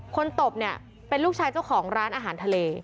ตบเนี่ยเป็นลูกชายเจ้าของร้านอาหารทะเล